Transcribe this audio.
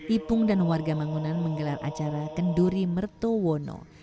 ipung dan warga mangunan menggelar acara kenduri mertowono